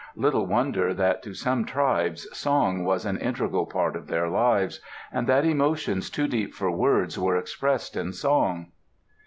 Little wonder that to some tribes song was an integral part of their lives, and that emotions too deep for words were expressed in song.